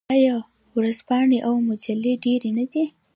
آیا ورځپاڼې او مجلې ډیرې نه دي؟